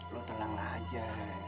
lo tenang aja